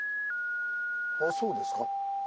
あそうですか。